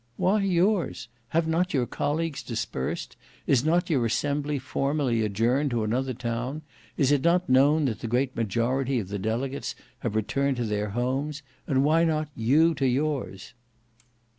"Why yours? Have not your colleagues dispersed? Is not your assembly formally adjourned to another town? Is it not known that the great majority of the delegates have returned to their homes? And why not you to yours?"